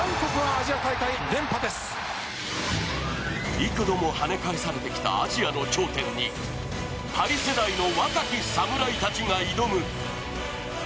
幾度も跳ね返されてきたアジアの頂点にパリ世代の若き侍たちが挑む。